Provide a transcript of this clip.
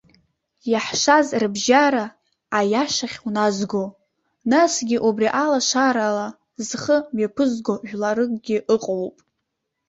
Иаҳшаз рыбжьара, аиашахь уназго, насгьы убри алашарала зхы мҩаԥызго жәларыкгьы ыҟоуп.